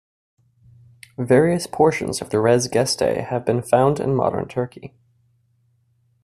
Various portions of the "Res Gestae" have been found in modern Turkey.